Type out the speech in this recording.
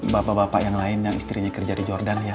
bapak bapak yang lain yang istrinya kerja di jordan ya